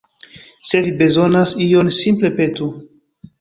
Se vi bezonas ion, simple petu.